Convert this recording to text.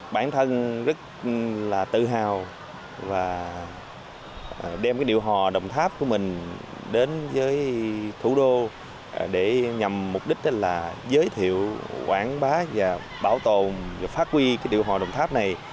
bản thân rất là tự hào và đem cái điệu hò đồng tháp của mình đến với thủ đô để nhằm mục đích là giới thiệu quảng bá và bảo tồn và phát huy cái điệu hò đồng tháp này